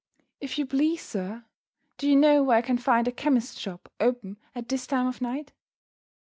"If you please, sir, do you know where I can find a chemist's shop open at this time of night?"